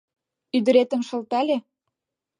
Ӱдыретым шылтале.